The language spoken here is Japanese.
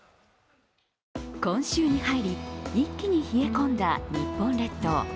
今週に入り、一気に冷え込んだ日本列島。